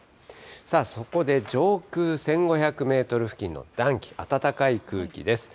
そこで上空１５００メートル付近の暖気、暖かい空気です。